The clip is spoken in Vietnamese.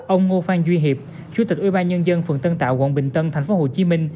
ông ngô phan duy hiệp chủ tịch ubnd phường tân tạo quận bình tân tp hcm